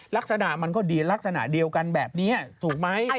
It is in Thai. ลักษณะมันก็ดีลักษณะเดียวกันแบบนี้ถูกไหม